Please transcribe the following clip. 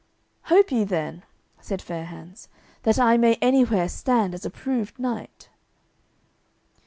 "Hope ye then," said Fair hands, "that I may anywhere stand as a proved knight?"